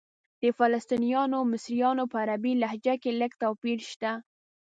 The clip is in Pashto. د فلسطنیانو او مصریانو په عربي لهجه کې لږ توپیر شته.